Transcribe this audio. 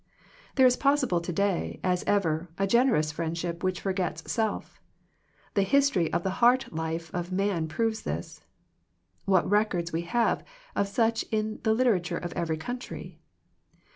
There is possible to day, as ever, a generous friendship which forgets self. The history of the heart life of man proves this. What records we have of such in the literature of every country!